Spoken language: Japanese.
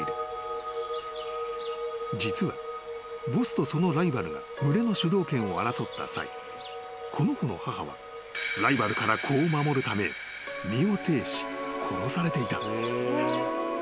［実はボスとそのライバルが群れの主導権を争った際この子の母はライバルから子を守るため身をていし殺されていた］